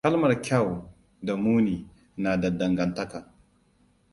Kalmar 'kyau' da 'muni' na da dangantaka.